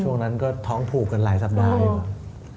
ช่วงนั้นก็ท้องผูกกันหลายสัปดาห์อยู่